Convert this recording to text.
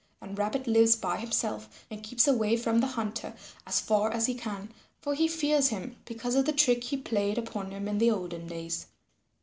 And Rabbit lives by himself and keeps away from the Hunter as far as he can, for he fears him because of the trick he played upon him in the olden days.